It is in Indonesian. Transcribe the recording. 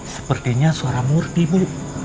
sepertinya suara murti bu